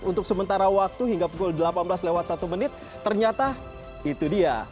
untuk sementara waktu hingga pukul delapan belas lewat satu menit ternyata itu dia